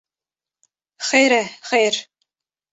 Xêr e, xêr.